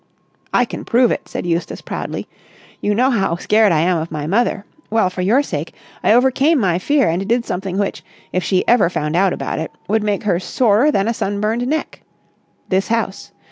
"I can prove it!" said Eustace proudly. "You know how scared I am of my mother. Well, for your sake I overcame my fear, and did something which, if she ever found out about it, would make her sorer than a sunburned neck! This house.